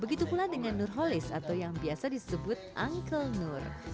begitukulah dengan nurholis atau yang biasa disebut uncle nur